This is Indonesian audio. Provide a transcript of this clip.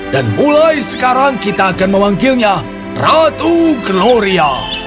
dan mulai sekarang kita akan memanggilnya ratu gloria